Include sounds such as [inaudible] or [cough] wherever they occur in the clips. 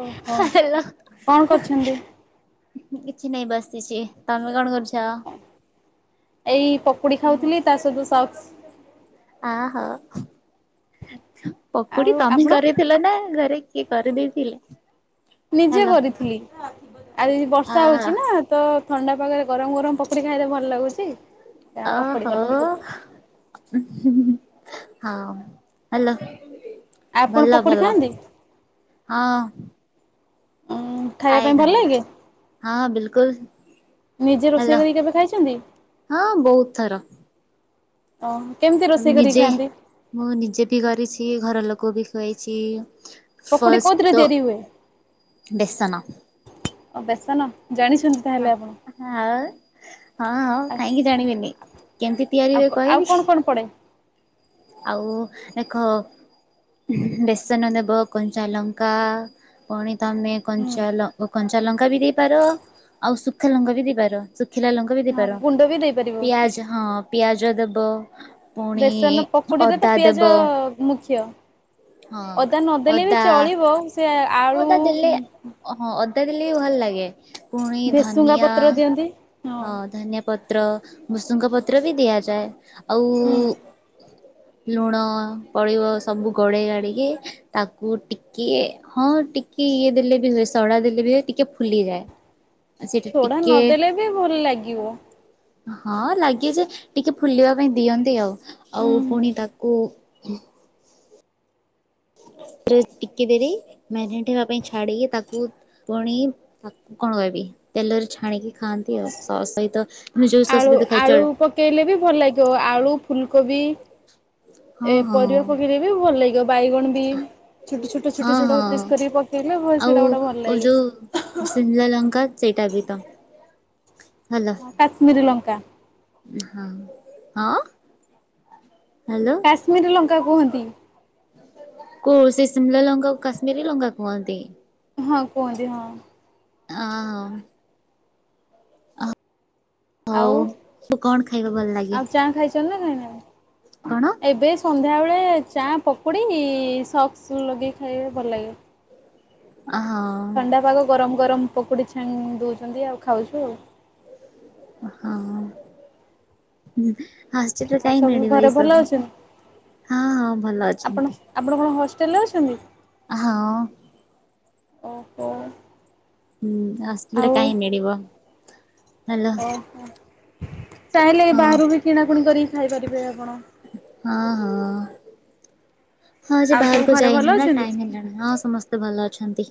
ଓହୋ କଣ କରୁଛନ୍ତି? କିଛି ନାଇଁ ବସିଛି ସେ ତମେ କଣ କରୁଛ? ଏଇ ପକୁଡି ଖାଉଥିଲି ତା ସହିତ ସସ୍। ଆ ହୋ। ପକୁଡି ଆଉ ତମେ ଆପଣ? କରିଥିଲ ନା ଘରେ କିଏ କରିଦେଇଥିଲେ? ନିଜେ ହାଲୋ କରିଥିଲି ଆ ଆ ବର୍ଷା ହଉଛି ନା ତ ଥଣ୍ଡା ପାଗରେ ଗରମ ଗରମ ପକୁଡି ଖାଇଲେ ଭଲ ଲାଗୁଛି। ଆ ଓ ପକୁଡି ହୋ। କରିଥିଲି ଉଁ ହୁଁ ହାଲୋ। ଆପଣ ଭଲ ପକୁଡି ଭଲ ଖାଆନ୍ତି? ହଁ। ଉଁ ଖାଇବା ଖାଏ ପାଇଁ ଭଲ ଖାଏ ଲାଗେ ହଁ ବିଲକୁଲ। ନିଜେ ରୋଷେଇ ହାଲୋ କରି କେବେ ଖାଇଛନ୍ତି? ହଁ ବହୁତ ଥର। ଓ କେମିତି ରୋଷେଇ କରି ନିଜେ ଖାଆନ୍ତି? ମୁଁ ନିଜେ ବି କରିଛି ଘର ଲୋକ ବି ଖୁଆଇଛି। ପକୁଡି ଫାଷ୍ଟ କୋଉଥିରେ ତ ତିଆରି ହୁଏ? ବେସନ। ଓ ବେସନ ଜାଣିଛନ୍ତି ତାହେଲେ ଆପଣ। ଆଉ। ହଁ ହଉ କାହିଁକି ଜାଣିବିନି କେମତି ତିଆରି ଆଉ ହୁଏ ଆଉ କହିବି। କଣ କଣ ପଡେ? ଆଉ ଏଖ। ବେସନ ନେବ କଞ୍ଚା ଲଙ୍କା। ପୁଣି ତମେ ହୁଁ କଞ୍ଚା ଲ କଞ୍ଚା ଲଙ୍କା ବି ଦେଇପାର ଆଉ ସୁଖା ଲଙ୍କା ବି ଦେଇପାର ଶୁଖିଲା ଲଙ୍କା ବି ହଁ ଦେଇପାର ଗୁଣ୍ଡ ବି ଦେଇପାରିବ ପିଆଜ ହଁ ପିଆଜ ଦବ। ବେସନ ପକୁଡିରେ ତ ପିଆଜ ମୁଖ୍ୟ। ହଁ ଅଦା ନଦେଲେ ବି ଚଳିବ ସେ ହଁ ଆଳୁ ଅଦା ଦେଲେ ହଁ ଅଦା ଦେଲେ ବି ଭଲ ଲାଗେ ପୁଣି ଭେସୁଙ୍ଗା ଧନିଆ। ପତ୍ର ଦିଅନ୍ତି। ହଁ ଧନିଆପ ପତ୍ର ଭୂସଙ୍ଗ ପତ୍ର ବି ଦିଆଯାଏ ଆଉ ହୁଁ ଲୁଣ ପଡ଼ିବ ସବୁ ଗୋଳେଇ ଗାଡ଼ିକି ତାକୁ ଟିକିଏ। ହଁ ଟିକେ ଇଏ ଦେଲେ ବି ହୁଏ ସଡ଼ା ଦେଲେ ବି ହୁଏ ଟିକେ ଫୁଲିଯାଏ। ସେଇଟା ସୋଢା ଟିକେ ନଦେଲେ ବି ଭଲ ଲାଗିବ। ହଁ ଲାଗିବ ଯେ ଟିକେ ଫୁଲିବା ପାଇଁ ଦିଅନ୍ତି ଆଉ ହୁଁ ଆଉ ହୁଁ। ପୁଣି ତାକୁ ଜଷ୍ଟ୍ ଟିକେ ଡେରି ମ୍ୟାଗନେଟ ହେବା ପାଇଁ ଛାଡିକି ତାକୁ ପୁଣି ତାକୁ କଣ କହିବି ତେଲରେ ଛାଣିକି ଖାଆନ୍ତି ଆଉ ସକ୍ସ ସହିତ। ମୁ ଯଉ ସସ୍ [unintelligible] ଆଳୁ ଆଳୁ ପକେଇଲେ ବି ଭଲ ଲାଗିବ ଆଳୁ ଫୁଲକୋବି ଏ ହଁ ହଁ ପରିବା ପକେଇଲେ ବି ଭଲ ଲାଗିବ ବାଇଗଣ ବିମ୍। ହଁ ହଁ ଆଉ ସେଇଟା ଗୋଟେ ଭଲ ଲାଗେ। ଯୋଉ ସିମଲା ଲଙ୍କା। ସେଇଟା ବି ତ ହାଲୋ। ହଁ କାଶ୍ମୀରୀ ଲଙ୍କା ହଁ ହଁ ହାଲୋ। କାଶ୍ମୀର ଲଙ୍କା କୁହନ୍ତି। କୋଉ ସେ ଶିମଲା ଲଙ୍କା ଙ୍କୁ କାଶ୍ମୀରୀ ଲଙ୍କା କୁହନ୍ତି। ହଁ କୁହନ୍ତି ହଁ। ଆ ଉ ଉ ଉ [unintelligible] ହଉ ଆଉ ତୁ କଣ ଖାଇବା ଭଲ ଲାଗେ। ଚନ୍ଦ ଖାଇ ନଁ [unintelligible] କଣ? ଏବେ ସନ୍ଧ୍ୟାବେଳେ ଚା ପକୁଡ଼ି ସକ୍ସ ଲଗେଇି ଖାଇଲେ ଭଲ ଲାଗିବ। ଆ ହଁ। ଥଣ୍ଡା ପାଗ ଗରମ ଗରମ ପକୁଡ଼ି ଛାଣିକି ଦଉଛନ୍ତି ଆଉ ଖାଉଛୁ ଆଉ। ଅ ହଁ। ଆସିଲେ ଆଉ ଯାଇଁ ସବୁ ମିଳିବ ଏଇ ଘରେ ଭଲ ସବୁ ଅଛନ୍ତି? ହଁ ହଁ ଭଲ ଆପଣ ଅଛନ୍ତି। ଆପଣ କଣ ହଷ୍ଟେଲ୍ ରେ ଅଛନ୍ତି। ହଁ। [inaudible] ହୁଁ ଆସଲେ ଆଉ କାଇଁ ମିଳିବ ହଲୋ ଚାହେଲେ ହଁ ବାହାରୁ ବି କିଣାକୁଣି କରିକି ଖାଇପାରିବେ ଆପଣ। ହଁ ହଁ। ହଁ ସେ ଆଉ ସବୁ ବାହାରକୁ ଘରେ ଭଲ ଯାଇନୁ ନା ଅଛନ୍ତି? ଟାଇମ ହେଲାନି ହଁ ସମସ୍ତେ ଭଲ ଅଛନ୍ତି।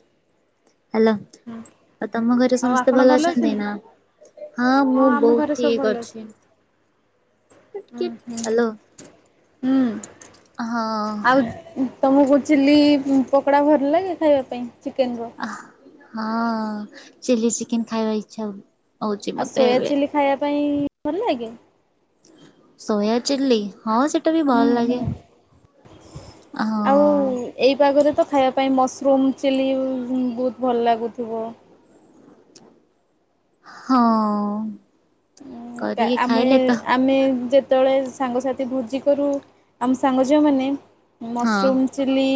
ହ୍ୟାଲୋ ହୁଁ ଆଉ ତମ ଘରେ ସମସ୍ତେ ଭଲ ଅଛନ୍ତି ନା। ହଁ ମୁଁ ବୋହୁତ୍ ଠିକ୍ ଅଛି। ଉଁ ହୁଁ ହ୍ୟାଲୋ ହୁଁ ହଁ ଆଉ ତମକୁ ଚିଲି ପକୋଡ଼ା ଭଲ ଲାଗେ ଖାଇବା ପାଇଁ ଚିକେନ ର। ହଁ ଚିଲ୍ଲି ଚିକେନ ଖାଇବା ଇଚ୍ଛା ହୁଏ। ଆଉ ସୋୟା ଚିଲ୍ଲି ଖାଇବା ପାଇଁ ଭଲଲାଗେ? ସୋୟା ଚିଲ୍ଲି ହଁ ସେଇଟା ବି ଭଲ ଲାଗେ ହଁ। ଏହିପାଗରେ ତ ଖାଇବା ପାଇଁ ମସରୁମ୍ ଚିଲ୍ଲି ବହୁତ ଭଲ ଲାଗୁଥିବ। ହଁ। ହୁଁ କରିକି ଆମେ ଖାଇଲେ ତ ଆମେ ଯେ ଯେତେବେଳେ ସାଙ୍ଗସାଥି ଭୁଜି କରୁ ଆମ ସାଙ୍ଗ ଝିଅମାନେ ହଁ ମସରୁମ୍ ଚିଲି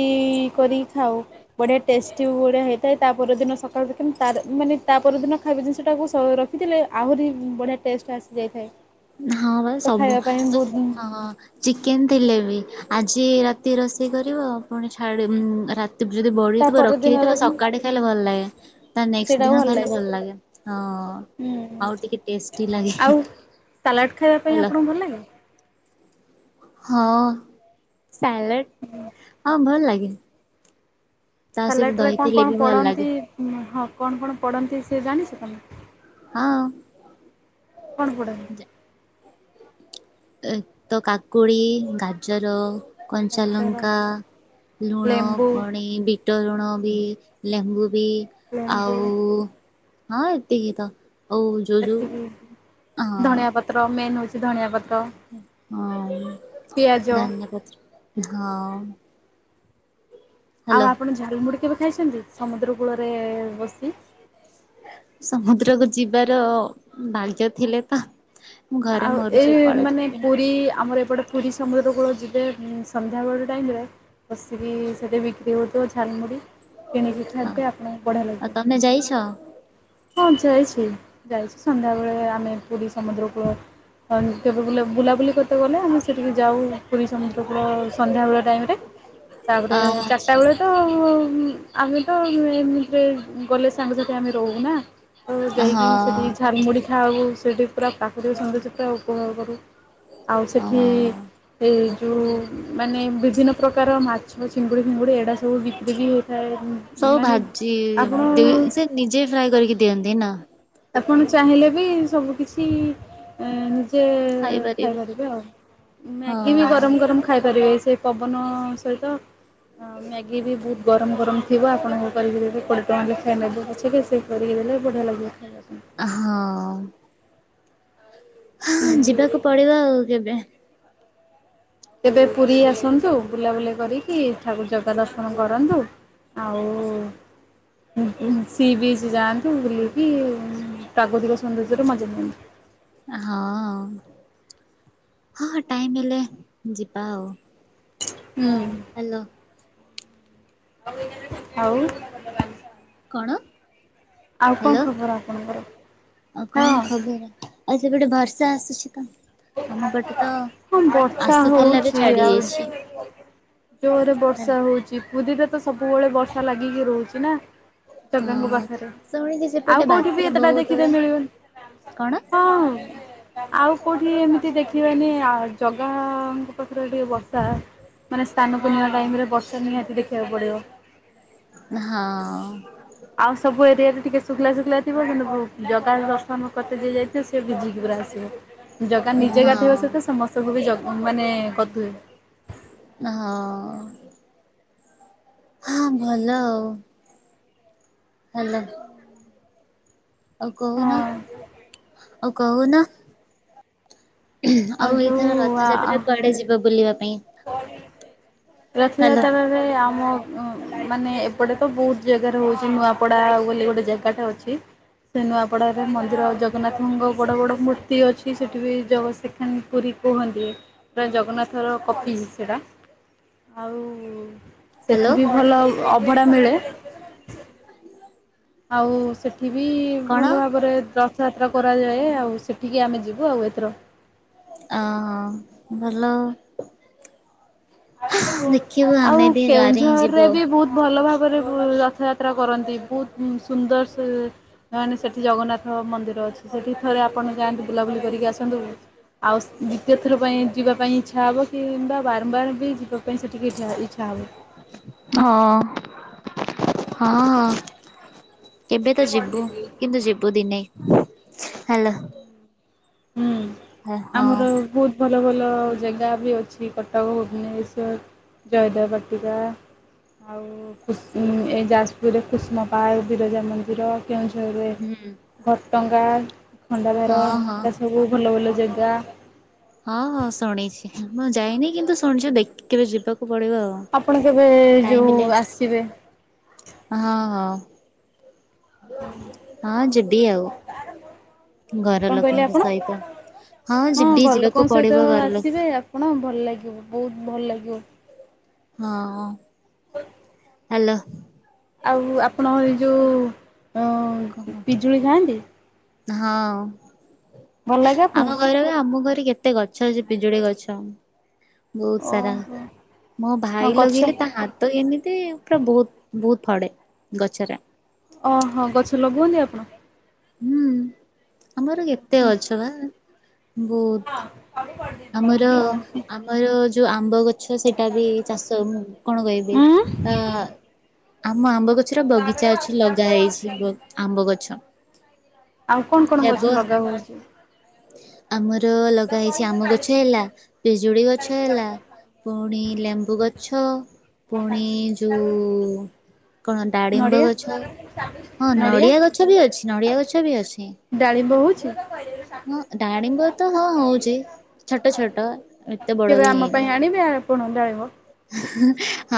କରିକି ଖାଉ ବଢିଆ ଟେଷ୍ଟି ବଢିଆ ହେଇଥାଏ ତା ପରଦିନ ସକାଳୁ ରଖିନ ତା ଦିନ ମାନେ ତା ପରଦିନ ଖାଇବା ଜିନିଷ ଟାକୁ ସ ଖିଥିଲେ ଆହୁରି ବଢ଼ିଆ ଟେଷ୍ଟ ଆସିଯାଇଥାଏ ହଁ ବା ତ ସବୁ ଖାଇବା ପାଇଁ ବହୁତ ହଁ ଚିକେନ ଥିଲେ ବି ଆଜି ରାତି ରାତି ରୋଷେଇ କରିବ ପୁଣି ଛାଡ଼ି ଉଁ ରାତ ଯଦି ତା ବଳିଥିବ ପରଦିନ ରଖିଦେଇଥିବ ରଖି ସକାଳେ ଖାଇଲେ ଭଲ ଲାଗେ ତା ନେକ୍ସଟ ଦିନ ଖାଇଲେ ଭଲ ଲାଗେ ହଁ ହୁଁ। ଆଉ ଟିକେ ଟେଷ୍ଟି ଲାଗେ। ଆଉ ସାଲାଡ଼ ଖାଇବା ପାଇଁ ଆପଣଙ୍କୁ ଭଲ ଲାଗେ? ହଁ ସାଲାଟ ହଁ ଭଲ ଲାଗେ। ତା ସହିତ ସାଲେଟରେ କଣ ଦହିଥିଲେ କଣ ବି ଭଲ ପଡ଼ନ୍ତି ଲାଗେ ହଁ କଣ କଣ ପଡ଼ନ୍ତି ସେ ଜାଣିଚ ତମେ? ହଁ। କଣ ପଡେ ଏ ତ କାକୁଡ଼ି ଗାଜର ଗାଜର, କଞ୍ଚାଲଙ୍କା ଲୁଣ ଲେମ୍ବୁ, ପଡେ ଭି ଟ ଲୁଣ ବି ଲେମ୍ବୁ ବି ଲେମ୍ବୁ ଆଉ ହଁ ଏତିକି ତ ହଉ ଏତିକି ଧଣିଆ ପତ୍ର ମେନ୍ ହେଉଚି ଧଣିଆ ପତ୍ର ହଁ ପିଆଜ ଧାନିଆ ପତ୍ର ହଁ ଆଉ ହ୍ୟାଲୋ ଆପଣ ଝାଲମୁଡ଼ି କେବେ ଖାଇଚନ୍ତି ସମୁଦ୍ର କୂଳରେ ବସି? ସମୁଦ୍ରକୁ ଯିବାର ଭାଗ୍ୟ ଥିଲେ ତ ମୁଁ ଘରେ ଆଉ ମରୁଛି ଏଇ କୁଆଡେ ମାନେ ଯିବି ପୁରୀ ଆମର ଏପଟେ ପୁରୀ ସମୁଦ୍ରପକୂଳ ଯିବେ ଉଁ ସନ୍ଧ୍ୟାବେଳ ଟାଇମ୍ ରେ ବସିକି ସେଠି ବିକ୍ରି ହଉଥିବ ଝାଲମୁଢ଼ି କେଣିକି ହଁ ଖାଇବେ ଆପଣଙ୍କୁ ବଢିଆ ଆଉ ଲାଗିବ ତମେ ଯାଇଛ? ହଁ ଯାଇଚି ଯାଇଚି ସନ୍ଧ୍ୟାବେଳେ ଆମେ ପୁରୀ ସମୁଦ୍ରକୁ [unintelligible] କେବେ ବୁଲାବୁଲି କରତେ ଗଲେ ଆମେ ସେଠିକି ଯାଉ ପୁରୀ ସମୁଦ୍ର କୂଳ ସନ୍ଧ୍ୟାବେଳେ ଟାଇମରେ ତାପରେ ଆଚ୍ଛା ଚାରିଟା ବେଳେ [unintelligible] ଆମେ ତ ମିଳିମି ସେଥିରେ ଗଲେ ସାଙ୍ଗସାଥି ଆମେ ରହୁନା ତ ଯାଇକି ସେଠି ହଁ ଝାଲମୁଢ଼ି କଥା ହୋଉ ସେଇଠି ପୁରା ପ୍ରାକୃତିକ ସୌନ୍ଦର୍ଯ୍ୟତା ଉପଭୋଗ କରୁ ଆଉ ସେଠି ହଁ। ଏଇ ଜୋଉ ମାନେ ବିଭିନ୍ନ ପ୍ରକାର ମା ଚିଙ୍ଗୁଡି ଫିଙ୍ଗୁଡି ଏଡା ସବୁ ବିକ୍ରି ବି ହେଇଥାଏ ସବୁ ଭାଜି ଦି ସେ ନିଜେ ଫ୍ରାଏ କରିକି ଦିଅନ୍ତି ନା? ଆପଣ ଚାହିଁଲେ ବି ସବୁ କିିଛି ନିଜେ ଖାଇପାରିବେ ଆଉ ହଁ ମ୍ୟାଗି ବି ଗରମ ଗରମ ଖାଇପାରିବେ ସେ ପବନ ସହିତ ହଁ ମ୍ୟାଗି ବି ବହୁତ ଗରମ ଗରମ ଥିବ ଆପଣ କରିକି ଦେବେ କୋଡିଏ ଟଙ୍କା ଲେଖାଏଁ ନେବେ ପଛିକା ସେ କରିକି ଦେଲେ ବଢିଆ ଲାଗିବ ଖାଇବାକୁ ହଁ। ହଁ ଯିବାକୁ ପଡିବ ଆଉ କେବେ ତେବେ ପୁରୀ ଆସନ୍ତୁ ବୁଲାବୁଲି କରିକି ଠାକୁ ଜଗା ଦର୍ଶନ କରନ୍ତୁ ଆଉ ସି ବିଚ୍ ଯାଆନ୍ତୁ ବୁଲିକି ପ୍ରାକୃତିକ ସୌନ୍ଦର୍ଯ୍ୟରେ ମଜା ନିଅନ୍ତୁ ହଁ ହଁ ହଁ ଟାଇମ ହେଲେ ଯିବା ଆଉ ହୁଁ। ହ୍ୟାଲୋ। ଆଉ କଣ ଆଉ କଣ ହ୍ୟାଲୋ ଖବର ଆପଣଙ୍କର? ଆ ହଁ କଣ ଖବର? ଆଉ ସେପଟେ ବର୍ଷା ଆସୁଛି ତ? ଆମ ପଟେ ତ ହଁ ବର୍ଷା ଆସୁଥିଲା ବି ହଉଚ ଛାଡି ଆଉ ଯାଇଛି। ଜୋରରେ ବର୍ଷା ହଉଛି ପୁରୀରେ ତ ସବୁବେଳେ ବର୍ଷା ଲାଗିକି ରହୁଛି ନା। ଜଗାଙ୍କ ହଁ ପାଖରେ ଶୁଣିଛି ସେପଟେ ଆଉ କୋଉଠି ବାତ୍ୟା ବି ଏତେଟା ବହୁତ ଦେଖିେ ହୁଏ ମିଳିବନି। କଣ। ହଁ। ଆଉ କୋଉଠି ଏମିତି ଦେଖିବାନି ଆ ଜଗାଙ୍କ ପାଖରେ ଟିକେ ବସା। ମାନେ ସ୍ଥାନପୂର୍ଣ୍ଣିମା ଟାଇମ୍ ରେ ବର୍ଷା ନିହାତି ଦେଖିବାକୁ ପଡ଼ିବ। ହଁ। ଆଉ ସବୁ ଏରିଆରେ ଟିକେ ଶୁଖିଲା ଶୁଖିଲ ଥିବ କିନ୍ତୁ ଜଗନ୍ନାଥ ଦର୍ଶନ କତେ ଦିଆ ଯାଇଥିବ ସିଏ ଭିଜିକି ପୁରା ଆସିବ। ଜଗା ହଁ ନିଜ ଗାଧେଇ ବା ସହିତ ସମସ୍ତଙ୍କୁ ବି ଜ ମାନେ କଥା ହଏ ହଁ। ହଁ ଭଲ ଆଉ। ଭଲ। ଆଉ କହୁନ ହଁ। ଆଉ କହୁନ। ଆଉ ଆଉ ଏଇଥର ଯୋଉ ରଥଯାତ୍ରା କୁଆଡେ ଯିବ ବୁଲିବା ପାଇଁ। ହ୍ୟାଲୋ ରଥଯାତ୍ରା। ଆମ ଉଁ ମାନେ ଏପଟେ ତ ବହୁତ ଜାଗାରେ ହଉଛି ନୂଆପଡା ବୋଲି ଗୋଟେ ଜାଗାଟା ଅଛି। ସେ ନୂଆପଡ଼ାରେ ମନ୍ଦିର ଜଗନ୍ନାଥଙ୍କ ବଡ଼ ବଡ଼ ମୂର୍ତ୍ତି ଅଛି ସେଠି ବି ଜଗଶେଖାନ ପୁରୀ। କୁହନ୍ତି ପୁରା ଜଗନ୍ନାଥର ଅଫିସ ସେଟା ଆଉ ହ୍ୟାଲୋ ସେଠ ବି ଭଲ ଅଭଡ଼ା ମିଳେ। ଆଉ ସେଠି ବି କଣ ଭଲ ଭାବରେ ତ୍ର ରଥଯାତ୍ରା କରାଯାଏ ଆଉ ସେଠିକି ଆମେ ଯିବୁ ଆଉ ଏଥର। ଆଁ ହଃ ଭଲ। ଦେଖିବୁ ଆମେ ଆଉ ବି ଗାଁରେ ହିଁ ଯିବୁ କେଉଁଝରରେ ଆଉ ବି ବହୁତ ଭଲ ଭାବରେ ବୁ ରଥଯାତ୍ରା କରନ୍ତି ବହୁତ ସୁନ୍ଦର ସେ ନ ସେଠି ଜଗନ୍ନାଥ ମନ୍ଦିର ଅଛି ସେଠି ଥରେ ଆପଣ ଯାଆନ୍ତୁ ବୁଲାବୁଲି କରିକି ଆସନ୍ତୁ। ଆଉ ଦ୍ୱିତୀୟ ଥର ପାଇଁ ଯିବା ପାଇଁ ଇଚ୍ଛା ହବ କିମ୍ବା ବାରମ୍ବାର ଟି ଯିବା ପାଇଁ ସେଠିକି ଇଚ୍ଛା ଇଚ୍ଛା ହବ। ହଁ। ହଁ ଏବେ ତ ଯିବୁ କିନ୍ତୁ ଯିବୁ ଦିନେ। ହାଲୋ। ହୁଁ ହୁଁ ଆମର ବହୁତ ଭଲ ଭଲ ଜାଗା ବି ଅଛି କଟକ ଭୁବନେଶ୍ୱର ଜୟଦେବପାଟିକା। ଆଉ ଏ କୁସୁ ଏ ଯାଜପୁରରେ କୁସୁମ ପାର୍କ ବିରଜା ମନ୍ଦିର। କେଉଁଝରୁରେ ଘଟଙ୍ଗା ଖଣ୍ଡାଧାର। ହଁ ହଁ ଏଟା ସବୁ ଭଲ ଭଲ ଜାଗା। ହଁ ହଁ ଶୁଣିଛି ମୁଁ ଯାଇନି କିନ୍ତୁ ଶୁଣିଛି ଦେଖ କେବେ ଯିବାକୁ ପଡିବ ଆଉ। ଆପଣ କେବେ ଟାଇମ ଯୋଉ ହେଲେ ଆସିବେ? ହଁ ହଁ। ହଁ ଯିବି ଆଉ। ଘର କଣ କହିଲେ ଲୋକଙ୍କ ଆପଣ? ସହିତ ହଁ ଯିବି ଘର ଯିବାକୁ ଲୋକଙ୍କ ସହିତ ପଡିବ ଘର ଲୋକ ଆସିବେ ଆପଣ ଭଲ ଲାଗିବ ବହୁତ ଭଲ ଲାଗିବ। ହଁ। [unintelligible] ହ୍ୟାଲୋ। ଆଉ ଆପଣ ଏ ଯେଉଁ କହ। ଉଁ ପିଜୁଳି ଖାଆନ୍ତି? ହଁ ଭଲ ଲାଗେ ଆପଣଙ୍କୁ? ଆମ ଘରେ ବା ଆମ ଘରେ କେ ଏତେ ଗଛ ଅ ପିଜୁଳି ଗଛ ବୋହୁତ ସାରା ଓହୋ। ମୋ ହଁ ଭାଇ ଗଛ ଲଗେଇଲେ ହା ତ ଏମିତି ପୁରା ବୋହୁତ ବୋହୁତ ଫଡେ ଗଛରା ଓ ହଁ ଗଛ ଲଗାଉଚ ତ? ହୁଁ ଆମର କେତେ ଗଛ ବା ବୋହୁତ [unintelligible] ଆମର ଓହୋ ଆମର ଯୋଉ ଆମ୍ବ ଗ ଗଛ ସେଇଟା ବି ଚାଷ କଣ କହିବି ଉଁ ଆ ଆମ ଆମ୍ବ ଗଛର ବଗିଚା ଅଛି ଲଗା ହେଇଚି ଆମ୍ବ ଗଛ। ଆଉ କଣ କଣ ହେବ ଗଛ ଲଗା ହୁଏ? ଆମର ଲଗା ହେଇଚି ଆମ ଗଛ ହେଲା ପିଜୁଳି ଗଛ ହେଲା। ପୁଣି ଲେମ୍ବୁ ଗଛ, ପୁଣି ଯୋଉ କଣ ଡାଡିମ୍ବ ନଡ଼ିଆ ଗଛ ହଁ ନଡ଼ିଆ ଗଛ ବି ଅଛି ନଡ଼ିଆ ଗଛ ବି ଅଛି। ଡାଳିମ୍ବ ହୋଉଚି? ହଁ ଡାଳିମ୍ବ ତ ହଁ ହୋଉଚି ଛୋଟ ଛୋଟ ଏତେ ବଡ ବି ହେଇନି। କଣ ଡାଲି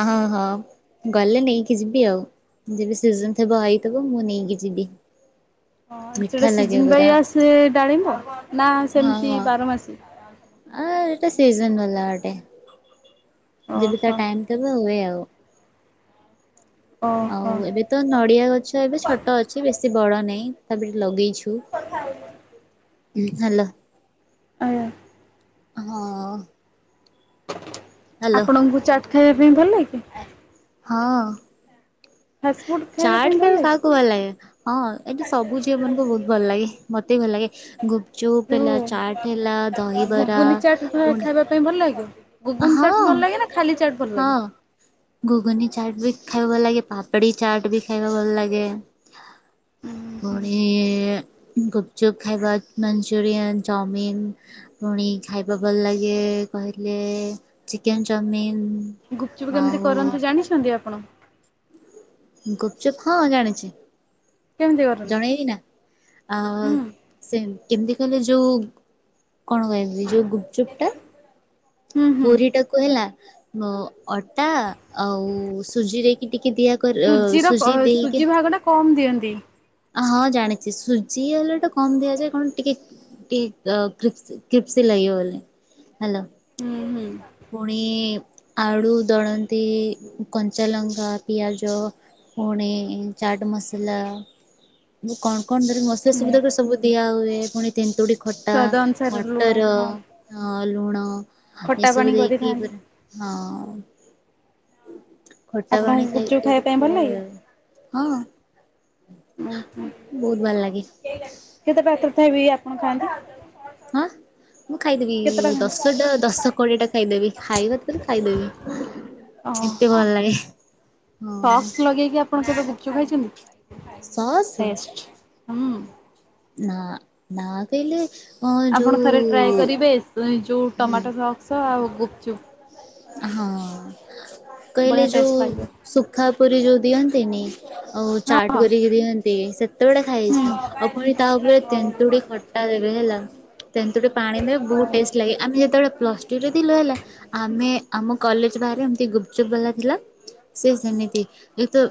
ହଁ ହଁ ଗଲେ ନେଇକି ଯିବି ଆଉ ଯବେ ସିଜନ ଥିବ ହେଇଥିବ ମୁଁ ନେଇକି ଯିବି। ହଁ ମିଠା ସେଟା ଲାଗେ ସିଜିନି ବାଇ ପୁରା ଆସେ ଡାଳିମ୍ୱ ନା ହଁ। ସେମିତି ହଁ। ବାରମାସୀ ଆ ଏଟା ସିଜନ ବାଲା ଗଟେ ଯବେ ତା ଓହୋ ଟାଇ ଏବେ ହୁଏ ଆଉ ଓହୋ ଆଉ ଏବେ ତ ନଡ଼ିଆ ଗଛ ଏବେ ଛୋଟ ଅଛି ବେଶୀ ବଡ଼ ନାହିଁ ତାପରେ ଲଗେଇଚୁ। କଥା ହେ ହେଲା ଆଜ୍ଞା। ହଁ। ହ୍ୟାଲୋ ଆପଣଙ୍କୁ ଚାଟ୍ ଖାଇବା ପାଇଁ ଭଲ ଲାଗେ? ହଁ ହଁ। ଫାଷ୍ଟଫୁ୍ ଚାଟ ଖାଇବା କାହାକୁ ଭଲ ଲାଗେ ହଁ ଏଠି ସବୁ ଝିଅ ମାନଙ୍କୁ ବୋଭଲ ଲାଗେ ମୋତେ ଭଲ ଲାଗେ ଗୁପଚୁପ୍ ଯୋଉ ହେଲା ଚାଟ୍ ହେଲା ଦହିବରା ଗୁଗୁନି ଚାଟ୍ ପୁ ଖାଇବା ପାଇଁ ଭଲ ଲାଗେ ଗୁଗୁନ ଚାଟ୍ ଭଲ ଲାଗେ ନା ଖାଲି ଚାଟ୍ ଭଲ ହଁ। ଲାଗେ? ଘୁଗୁନି ଚାଟ୍ ବି ଖାଇବା ଭଲ ଲାଗେ ପାପଡ଼ି ଚାଟ୍ ବି ଖାଇବା ଭଲ ଲାଗେ। ଉଁ ହୁଁ ପୁଣି ଗୁପଚୁପ୍ ଖାଇବା ମଞ୍ଚୁରୟନ୍ ଚାଉମିିନ ପୁଣି ଖାଇବା ଭଲ ଲାଗେ କହିଲେ ଚିକେନ ଚାଉମିିନ। ଗୁପଚୁପ୍ କେମିତି ଆଉ କରନ୍ତୁ ଜାଣିଛନ୍ତି ଆପଣ? ଗୁପଚୁପ୍ ହଁ ଜାଣିଚି? କେମିତି କରନ୍ତି? ଜଣେଇବି ନା ଆ ହୁଁ ସେ କେମିତି କିଲେ ଯୋଉ କଣ କହିବି? ଯୋଉ ଗୁପଚୁପ୍ ଟା ହୁଁ ହୁଁ ପୁରୀ ଟାକୁ ହେଲା ଅଟା ଆଉ ସୁଜିରେକି ଟିକେ ଦିଆ କରି ସୁଜିର ସୁଜି ଦେଇକି ସୁଜି ଭାଗଟା କମ୍ ଦିଅନ୍ତି। ହଁ ଜାଣିଚି, ସୁଜି ହେଲେ ତ କମ ଦିଆଯାଏ କଣ ଟିକେ କି ଇଅଁ କ୍ରିପ କ୍ରିପ୍ସ ଲାଗିବ ବୋଲି, ହ୍ୟାଲୋ ହୁଁ ହୁଁ ପୁଣି ଆଳୁ ଦଳନ୍ତି, କଞ୍ଚା ଲଙ୍କା, ପିଆଜ ପୁଣି ଚାଟ ମସଲା। କଣ କଣ ଜଦି ମସଲା ହୁଁ ସୁବିଧା ହୁଏ ସବୁ ଦିଆ ହୁଏ ପୁଣି ତେନ୍ତୁଡ଼ି ଖଟା, ସ୍ଵାଦ ଅନୁସାରେ ଲୁଣ ମଟର ହଁ। ଅଁ ଲୁଣ। ଖଟା ଏସବୁ ପାଣି ଦେଇକି କରିଥାନ୍ତି। ପୁରା ହଁ ଉ ଖଟା ପାଣି ଆପଣଙ୍କୁ ଖାଇ ଗୁପଚୁପ୍ ଖାଇବା କରି ପାଇଁ ଭଲ ଲାଗେ? ହଁ ବହୁତ୍ ଭଲ ଲାଗେ କେତେ ପାତର ଥାଇବି ଆପଣ ଖାଆନ୍ତି ହାଁ। ମୁଁ ଖାଇଦେବି କେତେଟା ଖାଆନ୍ତି? ଦଶଟା ଦଶ କୋଡ଼ିଏ ଟା ଖାଇଦେବି ଖାଇବା ତା ଖାଇଦେବି ଏତେ ଭଲ୍ ଲାଗେ। ହଁ ସକ୍ସ୍ ଲଗେଇକି ଆପଣ କେବେ ଗୁପ୍ ଚୁପ୍ ସସ୍ ଖାଇଛନ୍ତି? ନା ନା କହିଲେ ଅ ଆପଣ ଥରେ ଟ୍ରାଏ ଯୋଉ କରିବେ ଯୋଉ ହୁଁ ଟମାଟୋ ସକ୍ସ ଆଉ ଗୁପ୍ ଚୁପ୍। ହଁ କହିଲେ ବଢ଼ିଆ ଯୋଉ ଟେଷ୍ଟ ଲାଗିବ। ସୁୁଖା ପୁରୀ ଯୋଉ ଦିଅନ୍ତିନି ଆଉ ହଁ ଚାଟ୍ ହଁ କରିକି ଦିଅନ୍ତି ସେ କେତେ ଗୁଡା ଖାଇଛି ଆଉ ପୁଣି ତା ଉପରେ ତେନ୍ତୁଡି ଖଟା ଦେବେ ହେଲା। ତନ୍ତୁଡ଼ି ପାଣି ଦେବେ ବହୁତ ଟେଷ୍ଟ୍ ଲାଗେ ଆମେ ଯେତେବେଳେ ପ୍ଲସ୍ ଟୁରେ ଥିଲୁ ହେଲା ଆମେ ଆମ କଲେଜ ବାହାରେ ଏମିତି ଗୁପଚୁପ୍ ବାଲା ଥିଲା। ସେ ସେମିତି ଯେତ